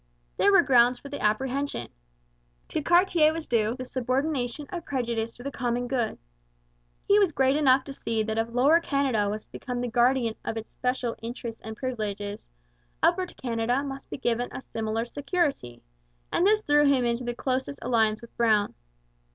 There were grounds for the apprehension. To Cartier was due the subordination of prejudice to the common good. He was great enough to see that if Lower Canada was to become the guardian of its special interests and privileges, Upper Canada must be given a similar security; and this threw him into the closest alliance with Brown.